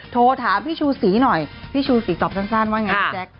โทรถามพี่ชูศรีหน่อยพี่ชูศรีตอบสั้นว่าไงพี่แจ๊ค